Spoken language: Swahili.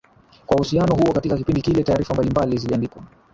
kwa uhusiano huo Katika kipindi kile taarifa mbalimbali ziliandikwa